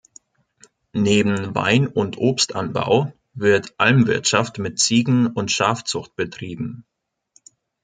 Neben Wein- und Obstanbau, wird Almwirtschaft mit Ziegen- und Schafzucht betrieben.